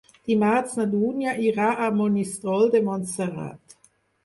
Dimarts na Dúnia irà a Monistrol de Montserrat.